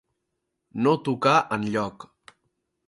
No tocar enlloc.